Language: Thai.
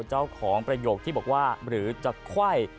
ประโยคที่บอกว่าหรือจะไขว้